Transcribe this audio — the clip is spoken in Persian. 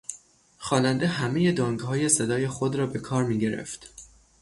خواننده همهی دانگهای صدای خود را به کار میگرفت.